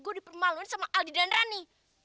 gue dipermaluin sama aldi dan rani